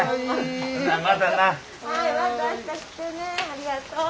ありがとう。